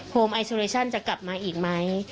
ไอซูเรชั่นจะกลับมาอีกไหม